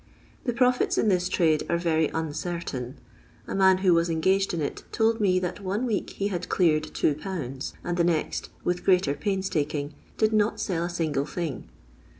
The profits in this trade are very uncertain. A man who was engaged in it told me that one week he had cleared 21., and the next, with greater pains taking, did not sell a single thing.